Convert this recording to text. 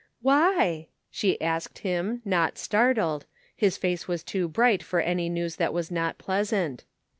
" Why ?" she asked him, not startled ; his face was too bright for any news that was not pleasant.